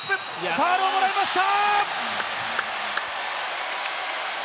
ファウルをもらいました！